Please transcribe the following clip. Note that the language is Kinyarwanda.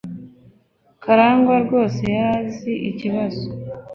karangwa rwose yari azi ikibazo.